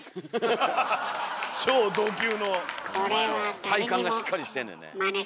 ほんまやわ体幹がしっかりしてんねんね。